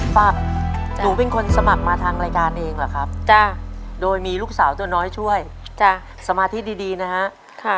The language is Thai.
ฝากหนูเป็นคนสมัครมาทางรายการเองเหรอครับจ้ะโดยมีลูกสาวตัวน้อยช่วยจ้ะสมาธิดีนะฮะ